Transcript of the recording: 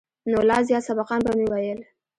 نو لا زيات سبقان به مې ويل.